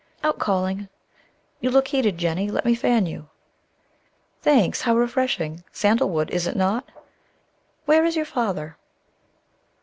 "Out calling. You look heated, Jennie; let me fan you." "Thanks. How refreshing! Sandal wood, is it not? Where is your father?"